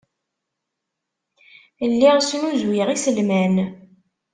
Lliɣ snuzuyeɣ iselman.